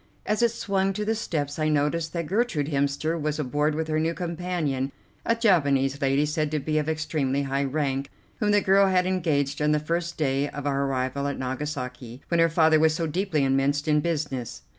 As it swung to the steps I noticed that Gertrude Hemster was aboard with her new companion, a Japanese lady, said to be of extremely high rank, whom the girl had engaged on the first day of our arrival at Nagasaki, when her father was so deeply immersed in business.